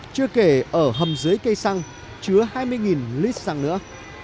chưa kể ở hầm dưới cây xăng chứa hai mươi lít xăng nữa